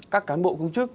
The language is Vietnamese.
các cán bộ công chức